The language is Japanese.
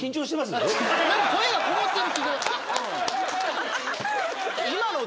何か声がこもってる気が。